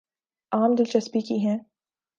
عام دلچسپی کی ہیں